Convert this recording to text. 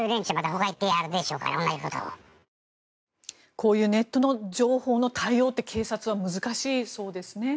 こういうネットの情報の対応って警察は難しいそうですね。